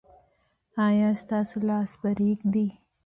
ایا ستاسو لاس به ریږدي؟